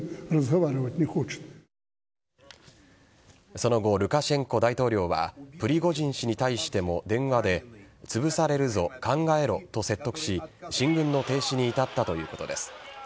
その後、ルカシェンコ大統領はプリゴジン氏に対しても電話でつぶされるぞ、考えろと説得し進軍の停止に至ったということです。